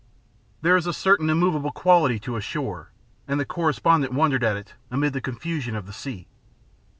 There is a certain immovable quality to a shore, and the correspondent wondered at it amid the confusion of the sea.